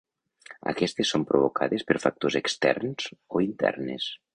Aquestes són provocades per factors externs o internes.